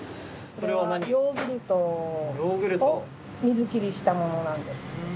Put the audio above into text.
これはヨーグルトを水切りしたものなんです。